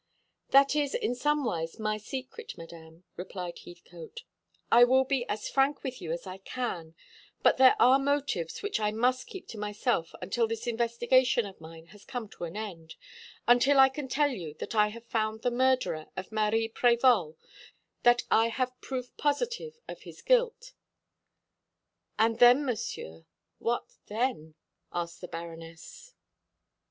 "That is in some wise my secret, Madame," replied Heathcote. "I will be as frank with you as I can; but there are motives which I must keep to myself until this investigation of mine has come to an end until I can tell you that I have found the murderer of Marie Prévol, that I have proof positive of his guilt." "And then, Monsieur what then?" asked the Baroness.